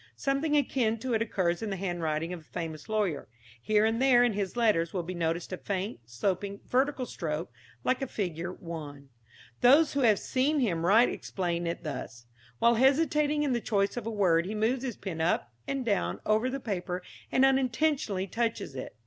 Something akin to it occurs in the handwriting of a famous lawyer. Here and there in his letters will be noticed a faint, sloping, vertical stroke, like a figure 1. Those who have seen him write explain it thus. While hesitating in the choice of a word he moves his pen up and down over the paper, and unintentionally touches it.